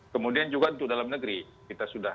kemudian juga untuk dalam negeri kita sudah